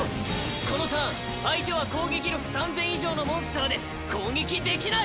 このターン相手は攻撃力３０００以上のモンスターで攻撃できない！